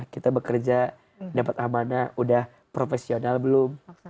kita bekerja dapat amanah udah profesional belum